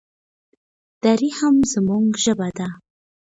دري هم زموږ ژبه ده.